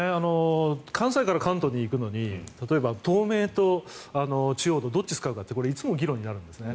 関西から関東に行くのに例えば、東名と中央道どっち使うかってこれ、いつも議論になるんですね。